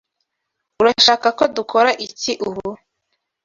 Urashaka ko dukora iki ubu?